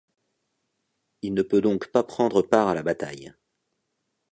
Il ne peut donc pas prendre part à la bataille.